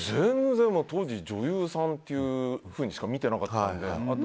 当時、女優さんっていうふうにしか見ていなかったので。